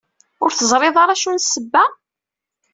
Ur teẓriḍ ara acu n ssebba?